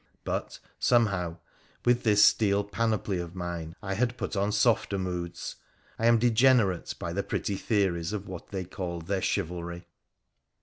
But, somehow, with this steel panoply of mine I had put on softer moods ; I am degenerate by the pretty theories of what they called their chivalry.